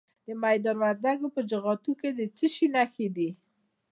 د میدان وردګو په جغتو کې د څه شي نښې دي؟